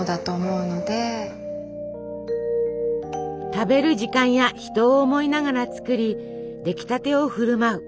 食べる時間や人を思いながら作りできたてを振る舞う。